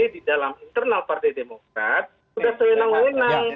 di dalam internal partai demokrat sudah sewenang wenang